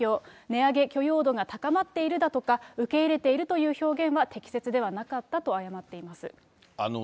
値上げ許容度が高まっているだとか、受け入れているという表現は適切ではなかったと謝っています。